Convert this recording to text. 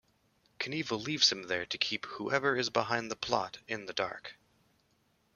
Knievel leaves him there to keep whoever is behind the plot in the dark.